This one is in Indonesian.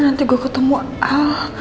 nanti gue ketemu al